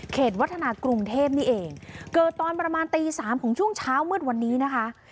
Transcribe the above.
วัฒนากรุงเทพนี่เองเกิดตอนประมาณตีสามของช่วงเช้ามืดวันนี้นะคะ